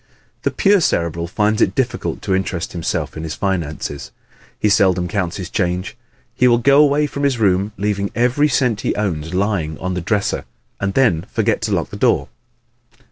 The pure Cerebral finds it difficult to interest himself in his finances. He seldom counts his change. He will go away from his room leaving every cent he owns lying on the dresser and then forget to lock the door!